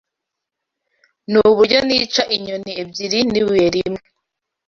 Nuburyo nica inyoni ebyiri n'ibuye rimwe.